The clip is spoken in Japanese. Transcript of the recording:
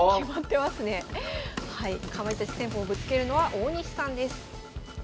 はいかまいたち戦法ぶつけるのは大西さんです。